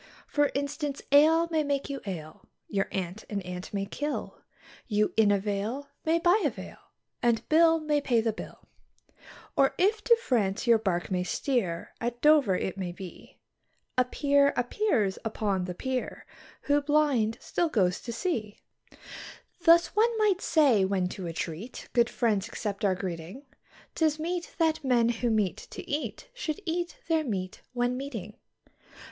For instance, ale may make you ail, your aunt an ant may kill, You in a vale may buy a veil and Bill may pay the bill. Or, if to France your bark may steer, at Dover it may be, A peer appears upon the pier, who, blind, still goes to sea. Thus, one might say, when to a treat good friends accept our greeting, 'Tis meet that men who meet to eat should eat their meat when meeting.